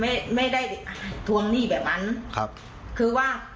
แม่ก็ไม่ได้อะไรแล้วในส่วนตรงนั้น